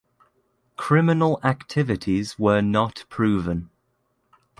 Criminal activities were not proven.